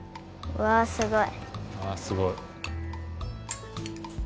うわすごい。